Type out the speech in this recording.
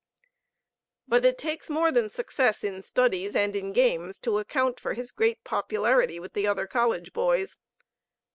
But it takes more than success in studies and in games to account for his great popularity with the other college boys.